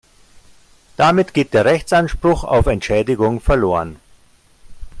Damit geht der Rechtsanspruch auf Entschädigung verloren.